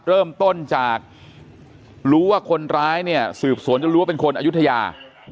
เริ่มต้นจากรู้ว่าคนร้ายเนี่ยสืบสวนจนรู้ว่าเป็นคนอายุทยา